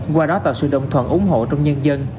qua đó tạo sự đồng thuận ủng hộ trong nhân dân